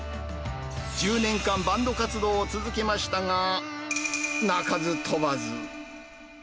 １０年間、バンド活動を続けましたが、鳴かず飛ばず。